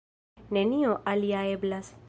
Nenio alia eblas.